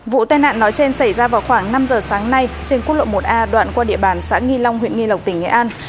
vụ tai nạn nói trên xảy ra vào khoảng năm giờ sáng nay trên quốc lộ một a đoạn qua địa bàn xã nghi long huyện nghi lộc tỉnh nghệ an